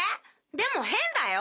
でも変だよ。